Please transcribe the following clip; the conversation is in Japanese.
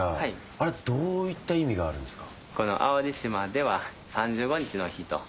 あれはどういった意味があるんですか？